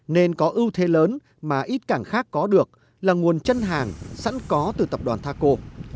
nên có ưu thế lớn mà ít cảng khác có được là nguồn chân hàng sẵn có từ tập đoàn thaco